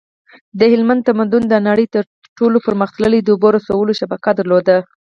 د هلمند تمدن د نړۍ تر ټولو پرمختللی د اوبو رسولو شبکه درلوده